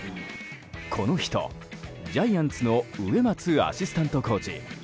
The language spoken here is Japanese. この人、ジャイアンツの植松アシスタントコーチ。